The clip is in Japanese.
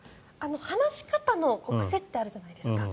話し方の癖ってあるじゃないですか。